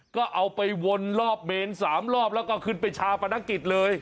ก็เอาไปวนรอบเมน๓รอบแล้วก็ขึ้นไปชาปนกิจเลย